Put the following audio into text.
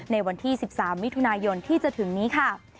ในวันที่๑๓มิถุนายนที่จะถึงนี้ค่ะ